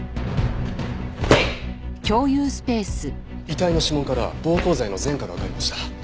遺体の指紋から暴行罪の前科が浮かびました。